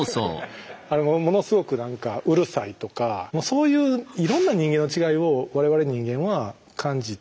ものすごくなんかうるさいとかそういういろんな人間の違いを我々人間は感じてそれに対応してる。